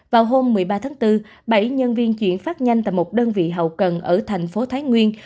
vào hôm một mươi ba tháng bốn bảy nhân viên chuyển phát nhanh tại một đơn vị hậu cần ở thành phố thái nguyên